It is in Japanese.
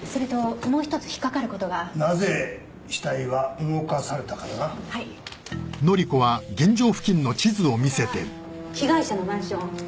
ここが被害者のマンション。